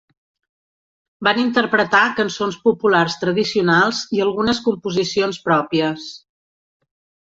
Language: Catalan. Van interpretar cançons populars tradicionals i algunes composicions pròpies.